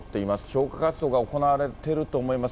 消火活動が行われていると思います。